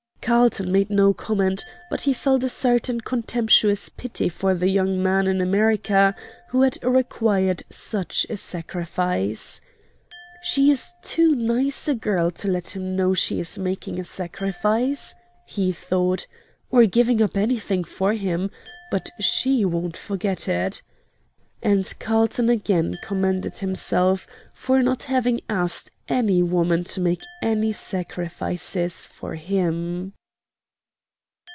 Carlton made no comment, but he felt a certain contemptuous pity for the young man in America who had required such a sacrifice. "She is too nice a girl to let him know she is making a sacrifice," he thought, "or giving up anything for him, but SHE won't forget it." And Carlton again commended himself for not having asked any woman to make any sacrifices for him.